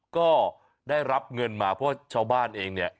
ก็ได้รับเงินมาเพราะชาวบ้านเองเนี่ย